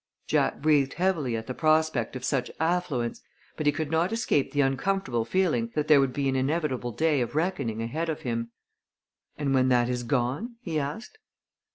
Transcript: Jack breathed heavily at the prospect of such affluence, but he could not escape the uncomfortable feeling that there would be an inevitable day of reckoning ahead of him. "And when that is gone?" he asked.